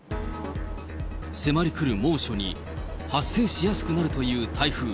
迫り来る猛暑に、発生しやすくなるという台風。